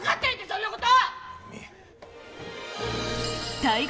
そんなこと！